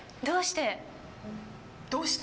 「どうして」？